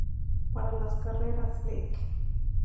Para las carreras Lic.